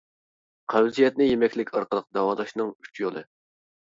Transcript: قەۋزىيەتنى يېمەكلىك ئارقىلىق داۋالاشنىڭ ئۈچ يولى.